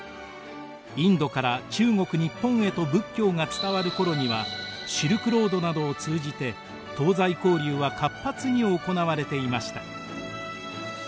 インドから中国日本へと仏教が伝わる頃にはシルクロードなどを通じて東西交流は活発に行われていました。